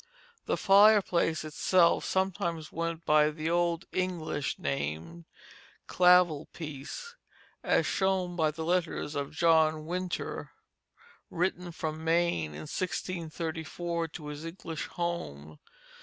The fireplace itself sometimes went by the old English name, clavell piece, as shown by the letters of John Wynter, written from Maine in 1634 to his English home.